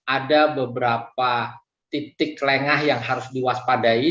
ada beberapa titik lengah yang harus diwaspadai